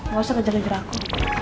gak usah ngejar ngejar aku